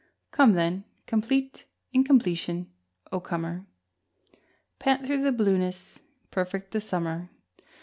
Come then, complete incompletion, O comer, Pant through the blueness, perfect the summer!